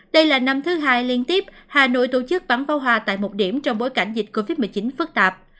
đây là năm thứ hai liên tiếp hà nội tổ chức bắn pháo hoa tại một điểm trong bối cảnh dịch covid một mươi chín phức tạp